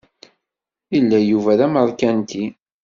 Yella Yuba d ameṛkanti.